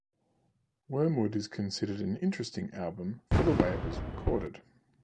Wormwood is considered an interesting album for the way it was recorded.